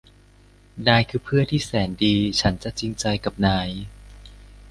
นายคือเพื่อนที่แสนดีฉันจะจริงใจกับนาย